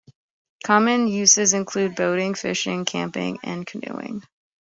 Common uses include boating, fishing, camping and canoeing.